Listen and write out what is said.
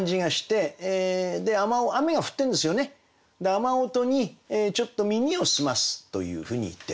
雨音にちょっと耳を澄ますというふうに言っていると。